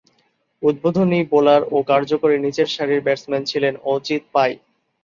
উদ্বোধনী বোলার ও কার্যকরী নিচেরসারির ব্যাটসম্যান ছিলেন অজিত পাই।